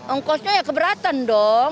angkotnya ya keberatan dong